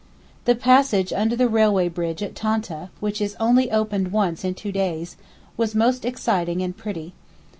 The passage under the railway bridge at Tantah (which is only opened once in two days) was most exciting and pretty.